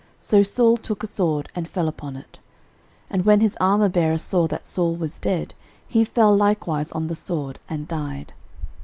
So Saul took a sword, and fell upon it. 13:010:005 And when his armourbearer saw that Saul was dead, he fell likewise on the sword, and died.